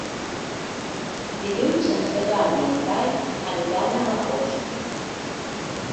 Dilluns en Ferran i en Cai aniran a Agost.